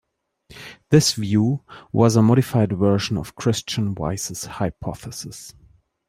This view was a modified version of Christian Weisse's hypothesis.